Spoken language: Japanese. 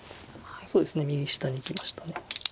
そうですね右下にいきました。